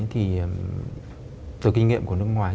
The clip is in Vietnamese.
thì từ kinh nghiệm của nước ngoài